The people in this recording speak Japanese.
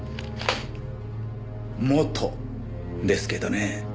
元ですけどね。